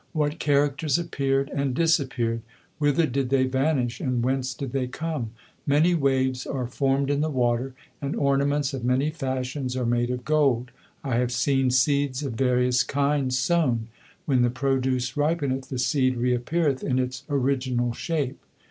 What characters appeared and disappeared ! Whither did they vanish and whence did they come ? Many waves are formed in the water, And ornaments of many fashions are made of gold I have seen seeds of various kinds sown : When the produce ripeneth, the seed reappeareth in its original shape.